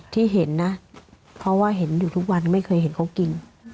ที่เห็นนะเพราะว่าเห็นอยู่ทุกวันไม่เคยเห็นเขากิน